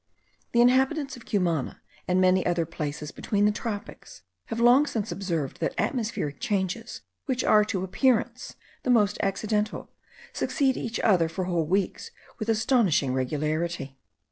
The inhabitants of Cumana, and of many other places between the tropics, have long since observed that atmospherical changes, which are, to appearance, the most accidental, succeed each other for whole weeks with astonishing regularity.